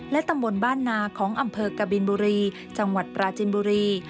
ตำบลบ้านนาของอำเภอกบินบุรีจังหวัดปราจินบุรี